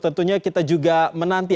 tentunya kita juga menanti